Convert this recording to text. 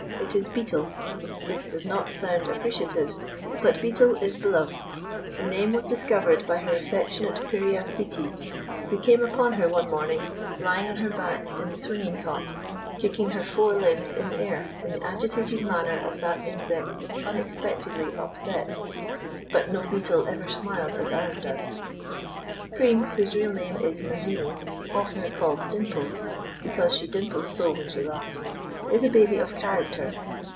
It is Beetle. This does not sound appreciative, but Beetle is beloved. The name was discovered by her affectionate Piria Sittie, who came upon her one morning lying on her back in the swinging cot, kicking her four limbs in the air in the agitated manner of that insect unexpectedly upset. But no beetle ever smiled as ours does. Cream, whose real name is Nundinie, oftener called Dimples, because she dimples so when she laughs, is a baby of character.